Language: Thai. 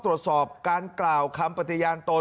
คุณสิริกัญญาบอกว่า๖๔เสียง